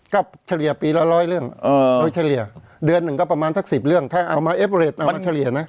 ก็เฉลี่ยปีละร้อยเรื่องโดยเฉลี่ยเดือนหนึ่งก็ประมาณสัก๑๐เรื่องถ้าเอามาเอฟเรตเอามาเฉลี่ยนะ